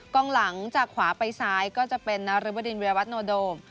กองหลังจากขวาไปซ้ายก็จะเป็นนรบดินวิรวัตโนโดม